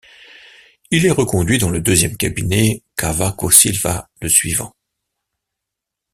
Il est reconduit dans le deuxième cabinet Cavaco Silva le suivant.